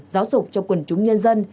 giáo dục cho quần chúng nhân dân